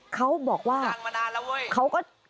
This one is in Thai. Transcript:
เขาบอกว่าเขาก็